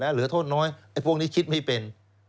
เหลือโทษน้อยไอ้พวกนี้คิดไม่เป็น